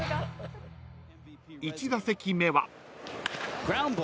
［１打席目は］